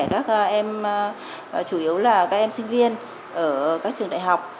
các em chủ yếu là các em sinh viên ở các trường đại học